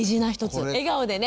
笑顔でね。